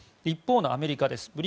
一方のアメリカです。